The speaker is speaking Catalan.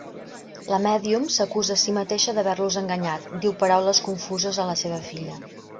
La mèdium s'acusa a si mateixa d'haver-los enganyat, diu paraules confuses a la seva filla.